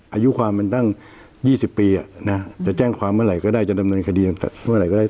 อายุความมันตั้ง๒๐ปีจะแจ้งความเมื่อไหร่ก็ได้จะดำเนินคดีเมื่อไหร่ก็ได้